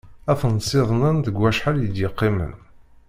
Ad ten-siḍnen deg wacḥal i d-yeqqimen.